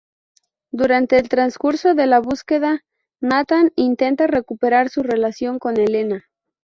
Durante el transcurso de la búsqueda, Nathan intenta recuperar su relación con Elena.